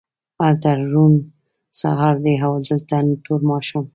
هلته روڼ سهار دی او دلته تور ماښام